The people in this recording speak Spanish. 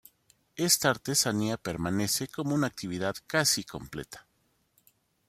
Esta artesanía permanece como una actividad casi completa.